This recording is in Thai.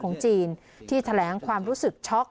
ของจีนที่แถลงความรู้สึกช็อก